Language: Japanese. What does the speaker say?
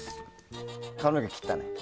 髪の毛切ったね。